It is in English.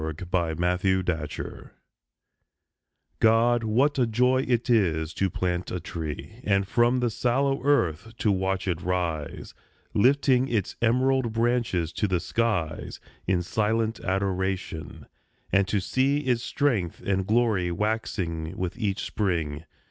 GO PLANT A TREE God, what a joy it is to plant a tree, And from the sallow earth to watch it rise, Lifting its emerald branches to the skies In silent adoration; and to see Its strength and glory waxing with each spring.